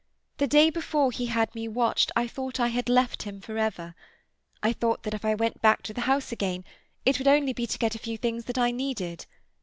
The day before he had me watched I thought I had left him forever. I thought that if I went back to the house again it would only be to get a few things that I needed.